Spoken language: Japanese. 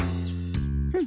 うん。